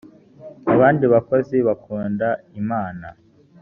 abandi bakozi bakunda imana.